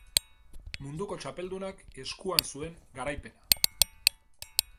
Munduko txapeldunak eskuan zuen garaipena.